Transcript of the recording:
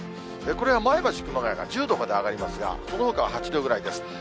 これは前橋、熊谷が１０度まで上がりますが、そのほかは８度ぐらいです。